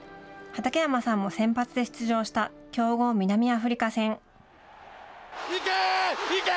畠山さんも先発で出場した強豪南アフリカ戦。